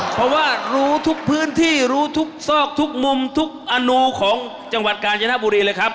เพราะว่ารู้ทุกพื้นที่รู้ทุกซอกทุกมุมทุกอนูของจังหวัดกาญจนบุรีเลยครับ